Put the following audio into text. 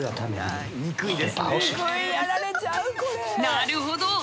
なるほど！